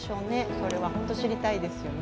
それは本当に知りたいですよね。